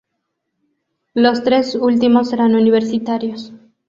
Los tres últimos serán universitarios.